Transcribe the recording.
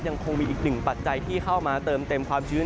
ยังคงมีอีกหนึ่งปัจจัยที่เข้ามาเติมเต็มความชื้น